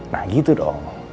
nah gitu dong